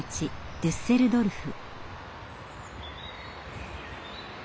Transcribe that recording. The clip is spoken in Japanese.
デュッセルドルフ。